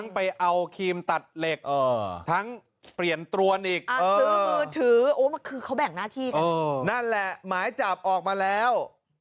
ไปเอาครีมตัดเหล็กทั้งเปลี่ยนตรวนออกมาแล้ว